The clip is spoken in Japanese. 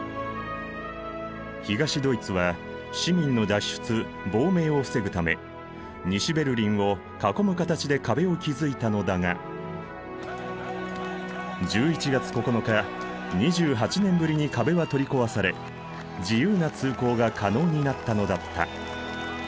東ドイツは市民の脱出亡命を防ぐため西ベルリンを囲む形で壁を築いたのだが１１月９日２８年ぶりに壁は取り壊され自由な通行が可能になったのだった。